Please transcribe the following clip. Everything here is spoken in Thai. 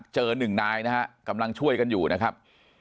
หนึ่งนายนะฮะกำลังช่วยกันอยู่นะครับ